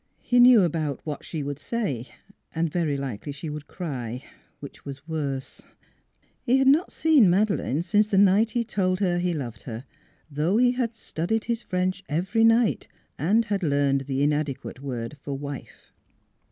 He knew about what she would say; and yery likely she would cry, which was worse. ... NEIGHBORS 313 He had not seen Madeleine since the night he told her he loved her, though he had studied his French every night and had learned the inade quate word for wife.